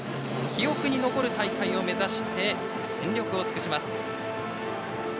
記憶に残る大会を目指して全力を尽くします。